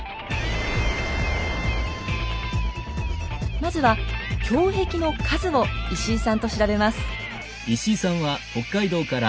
まずは胸壁の数を石井さんと調べます。